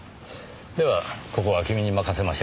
ではここは君に任せましょう。